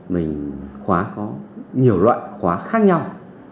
mình khóa có nhiều loại khóa khác nhau